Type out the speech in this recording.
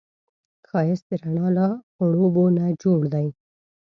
ښایست د رڼا له خړوبو نه جوړ دی